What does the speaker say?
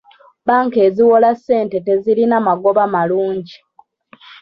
Banka eziwola ssente tezirina magoba malungi.